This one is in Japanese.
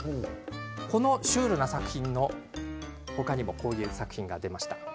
このシュールな作品の他にもこういう作品が出ました。